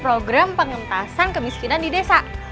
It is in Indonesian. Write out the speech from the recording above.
program pengentasan kemiskinan di desa